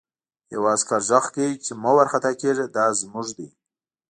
یوه عسکر غږ کړ چې مه وارخطا کېږه دا زموږ دي